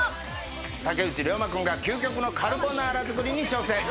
竹内涼真君が究極のカルボナーラ作りに挑戦。